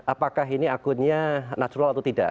apakah ini akunnya natural atau tidak